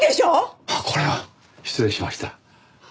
あっこれは失礼しました。